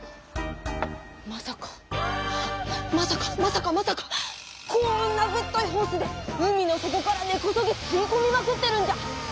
まさかまさかまさかまさかこんなぶっといホースで海の底から根こそぎすいこみまくってるんじゃ。